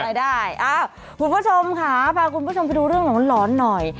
คุณผู้ชมค่ะพาคุณผู้ชมไปดูเรื่องของหลอนหน่อย